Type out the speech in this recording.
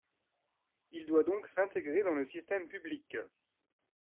Il doit donc s’intégrer dans le système public.